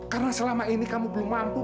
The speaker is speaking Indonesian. karena selama ini kamu belum mampu